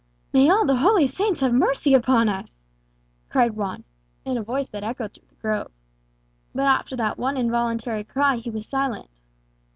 "May all the holy saints have mercy upon us!" cried Juan, in a voice that echoed through the grove. But after that one involuntary cry he was silent.